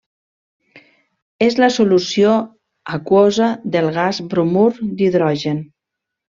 És la solució aquosa del gas bromur d'hidrogen.